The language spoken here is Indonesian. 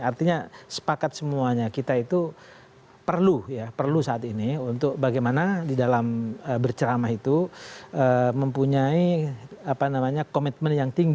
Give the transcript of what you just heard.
artinya sepakat semuanya kita itu perlu ya perlu saat ini untuk bagaimana di dalam berceramah itu mempunyai komitmen yang tinggi